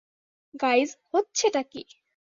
Guys, হচ্ছেটা কী?